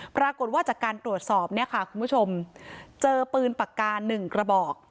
ปรากฏว่าจากการตรวจสอบเนี่ยค่ะคุณผู้ชมเจอปืนปากกา๑กระบอก